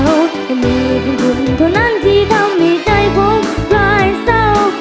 แต่มีคุณเท่านั้นที่ทำให้ใจผมร้ายเศร้า